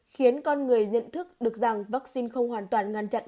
khiến con người nhận thức được rằng vaccine không hoàn toàn ngăn chặn